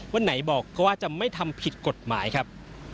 วันไหนบอกก็ว่าจะไม่ทำผิดกฎหมายครับ